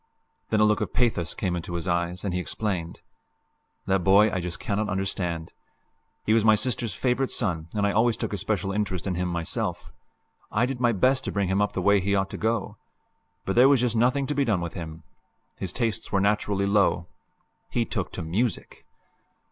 Then a look of pathos came into his eyes, and he explained: "That boy I just cannot understand. He was my sister's favorite son, and I always took a special interest in him myself. I did my best to bring him up the way he ought to go. But there was just nothing to be done with him. His tastes were naturally low. He took to music!"